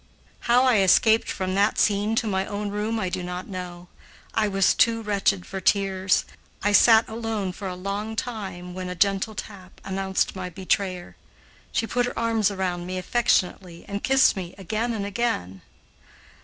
How I escaped from that scene to my own room I do not know. I was too wretched for tears. I sat alone for a long time when a gentle tap announced my betrayer. She put her arms around me affectionately and kissed me again and again.